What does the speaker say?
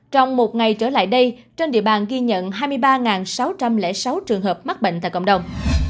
trong một ngày trở lại đây trên địa bàn ghi nhận hai mươi ba sáu trăm linh sáu trường hợp mắc bệnh tại cộng đồng